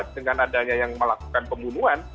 dengan adanya yang melakukan pembunuhan